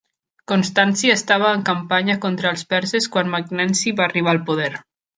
Constanci estava en campanya contra els perses quan Magnenci va arribar al poder.